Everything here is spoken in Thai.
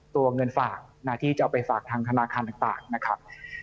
ตัวเงินฝากที่จะเอาไปฝากทางธนาคารต่างนะครับ